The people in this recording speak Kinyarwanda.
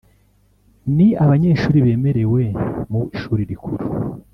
Ni abanyeshuri bemerewe mu Ishuri Rikuru